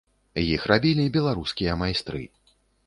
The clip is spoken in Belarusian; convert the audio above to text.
Іх рабілі беларускія майстры.